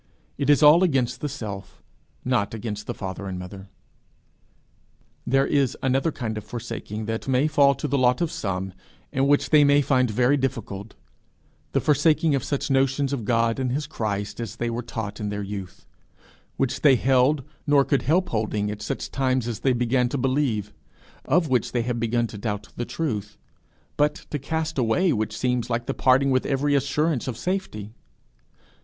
It is all against the self not against the father and mother. There is another kind of forsaking that may fall to the lot of some, and which they may find very difficult: the forsaking of such notions of God and his Christ as they were taught in their youth which they held, nor could help holding, at such time as they began to believe of which they have begun to doubt the truth, but to cast which away seems like parting with every assurance of safety.